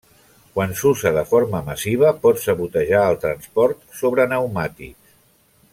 Quan s'usa de forma massiva pot sabotejar el transport sobre pneumàtics.